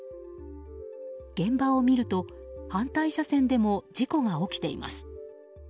現場を見ると、反対車線でも事故が起きています。